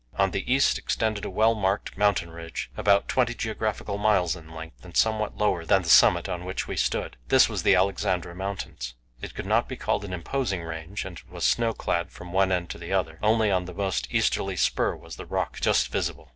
On the east extended a well marked mountain ridge, about twenty geographical miles in length, and somewhat lower than the summit on which we stood. This was the Alexandra Mountains. It could not be called an imposing range, and it was snow clad from one end to the other. Only on the most easterly spur was the rock just visible.